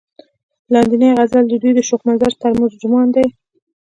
لاندينے غزل د دوي د شوخ مزاج ترجمان دے ۔